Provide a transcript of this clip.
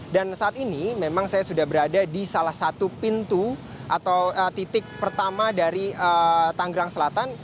dan saat ini memang saya sudah berada di salah satu pintu atau titik pertama dari tangerang selatan